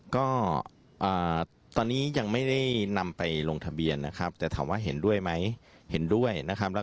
ก็ตอนนี้ยังไม่ได้นำไปลงทะเบียนนะครับแต่ถามว่าเห็นด้วยไหมเห็นด้วยนะครับ